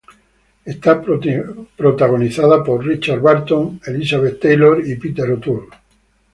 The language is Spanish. Está protagonizada por Richard Burton, Elizabeth Taylor y Peter O'Toole.